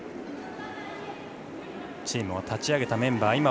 チームを立ち上げたメンバー